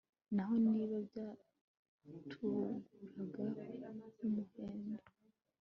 naho niba byatukuraga nk'umuhemba